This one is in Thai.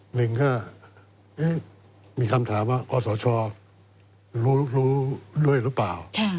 หนึ่งก็มีคำถามว่ากศชรู้ด้วยหรือเปล่า